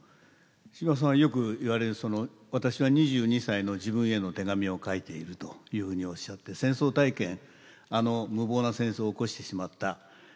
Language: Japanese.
司馬さんはよく言われる「私は２２歳の自分への手紙を書いている」というふうにおっしゃって戦争体験あの無謀な戦争を起こしてしまったあの愚かな日本人。